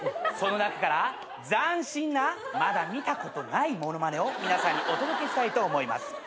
その中から斬新なまだ見たことない物まねを皆さんにお届けしたいと思います。